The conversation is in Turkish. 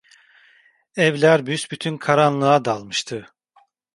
Evler büsbütün karanlığa dalmıştı…